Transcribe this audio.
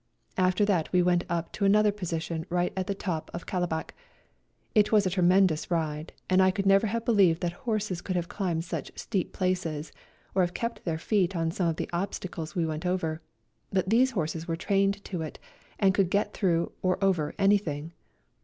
After that we went on up to another position right at the top of Kalabac. It was a tremendous ride, and I could never have believed that horses could have climbed such steep places, or have kept their feet on some of the obsta cles we went over, but these horses were trained to it, and could get through or over anything.